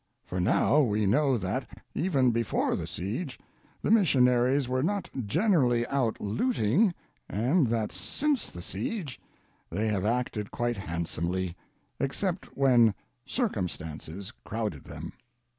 For now we know that, even before the siege, the missionaries were not "generally" out looting, and that, "since the siege," they have acted quite handsomely, except when "circumstances" crowded them.